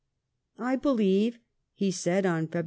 "I believe," he said on Feb.